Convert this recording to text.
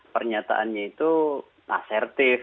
pernyataannya itu asertif